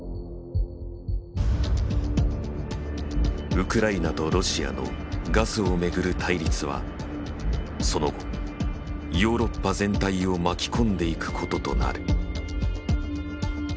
ウクライナとロシアのガスを巡る対立はその後ヨーロッパ全体を巻き込んでいくこととなる。